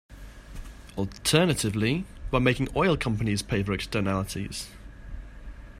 Alternatively, by making oil companies pay for externalities.